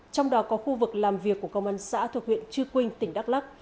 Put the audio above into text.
trong đó có khu vực làm việc của công an xã thuộc huyện chư quynh tỉnh đắk lắc